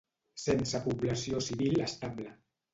Sense població civil estable.